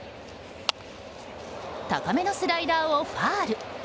高めのスライダーをファウル。